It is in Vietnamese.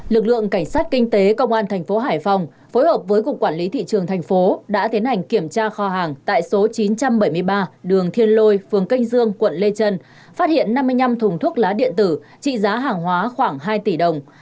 lực lượng cảnh sát kinh tế công an thành phố hải phòng phối hợp với cục quản lý thị trường thành phố đã tiến hành kiểm tra kho hàng tại số chín trăm bảy mươi ba đường thiên lôi phường canh dương quận lê trân phát hiện năm mươi năm thùng thuốc lá điện tử trị giá hàng hóa khoảng hai tỷ đồng